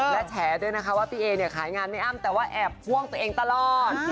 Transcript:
และแฉด้วยนะคะว่าพี่เอเนี่ยขายงานไม่อ้ำแต่ว่าแอบพ่วงตัวเองตลอด